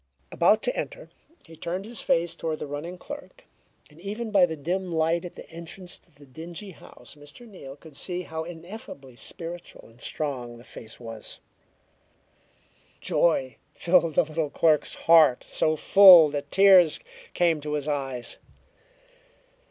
About to enter, he turned his face toward the running clerk, and even by the dim light at the entrance to the dingy house, Mr. Neal could see how ineffably spiritual and strong the face was. Joy filled the little clerk's heart so full that tears came to his eyes.